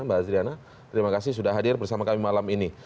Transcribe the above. mbak adriana terima kasih sudah hadir bersama kami malam ini